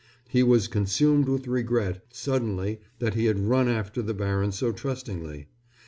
He was consumed with regret, suddenly, that he had run after the baron so trustingly.